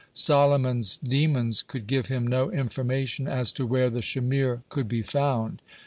Solomon's demons could give him no information as to where the shamir could be found.